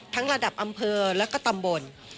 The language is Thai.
ระดับอำเภอและก็ตำบล